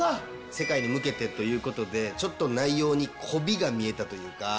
世界に向けてということでちょっと内容にこびが見えたというか。